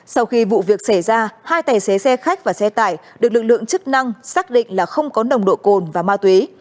sau khi vụ việc xảy ra hai tài xế xe khách và xe tải được lực lượng chức năng xác định là không có nồng độ cồn và ma túy